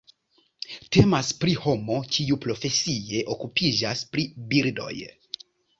Temas pri homo kiu profesie okupiĝas pri birdoj.